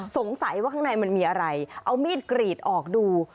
สงสัยว่าข้างในมันมีอะไรเอามีดกรีดออกดู